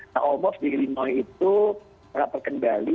nah almost di illinois itu nggak terkendali